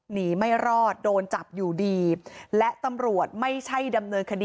หนีไม่รอดโดนจับอยู่ดีและตำรวจไม่ใช่ดำเนินคดี